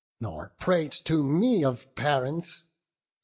nor prate to me Of parents!